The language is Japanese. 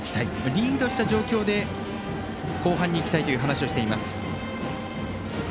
リードした状況で後半にいきたいという話をしています。